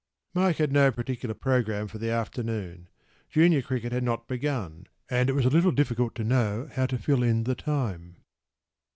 ” Mike had no particular programme for the afternoon.  Junior cricket had not begun, and it was a little difficult to know how to fill in the time.